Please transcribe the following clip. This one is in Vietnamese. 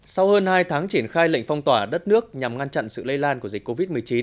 sau hơn hai tháng triển khai lệnh phong tỏa đất nước nhằm ngăn chặn sự lây lan của dịch covid một mươi chín